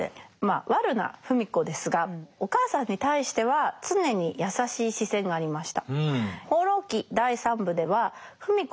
悪な芙美子ですがお母さんに対しては常に優しい視線がありました。